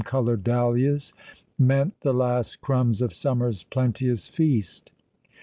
19 coloured dahlias, meant tlie last crumbs of summer's plen teous feast.